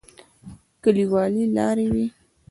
کليوالي لارې وې.